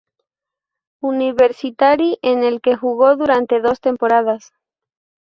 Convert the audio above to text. Universitari en el que jugó durante dos temporadas.